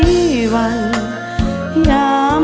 ขอบคุณครับ